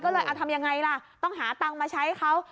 ก็เลยเอาทำยังไงล่ะต้องหาตังค์มาใช้เขา